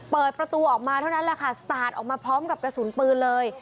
เปิดประตูออกมาเท่านั้นแหละค่ะสาดออกมาพร้อมกับกระสุนปืนเลย